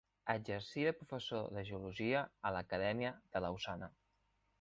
Exercí de professor de geologia a l'Acadèmia de Lausana.